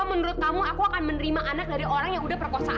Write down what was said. atau enggak dosa